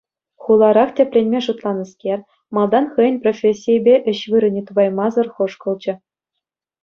Хуларах тӗпленме шутланӑскер малтан хӑйӗн профессийӗпе ĕç вырӑнӗ тупаймасӑр хӑшкӑлчӗ.